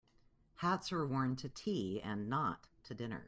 Hats are worn to tea and not to dinner.